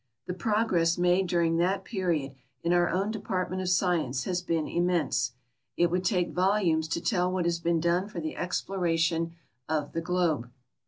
The pro gress made during that period in our own department of science has been immense ; it would take volumes to tell what has been done for the exploration of the globe.